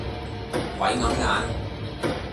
鬼揞眼